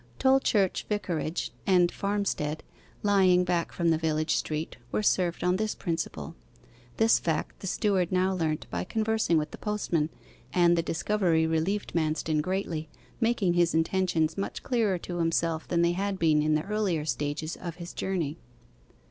Tolchurch Vicarage and Farmstead, lying back from the village street, were served on this principle. This fact the steward now learnt by conversing with the postman, and the discovery relieved Manston greatly, making his intentions much clearer to himself than they had been in the earlier stages of his journey.